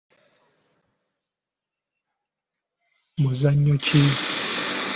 Muzannyo ki?.